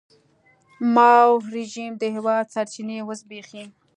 د ماوو رژیم د هېواد سرچینې وزبېښي.